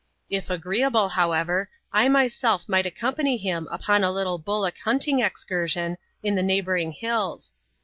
K agreeable, however, I myself might accompany him upon a little bullock hunting excursion, iii th<^ Tvfe\^D3a<^>MrffiL% hiUs.